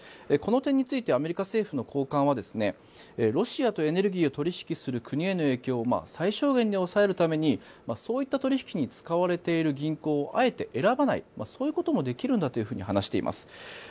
この点についてアメリカ政府の高官はロシアとエネルギーを取引する国への影響を最小限に抑えるためにそういった取引に使われている銀行をあえて選ばないそういうこともできるんだと話しています。